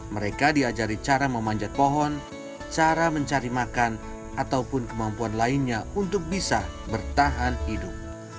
mereka diajari cara memanjat pohon cara mencari makan ataupun kemampuan lainnya untuk bisa bertahan hidup